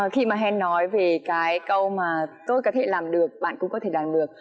khi mà hèn nói về cái câu mà tôi có thể làm được bạn cũng có thể làm được